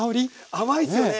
甘いっすよね。